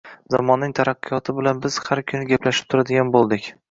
Zamonning taraqqiyoti bilan biz har kuni gaplashib turadigan bo`ldik